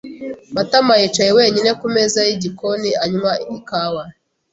Matama yicaye wenyine kumeza yigikoni, anywa ikawa.